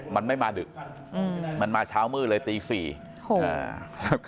มันไม่มาดึกอืมมันมาเช้ามืดเลยตีสี่โอ้โห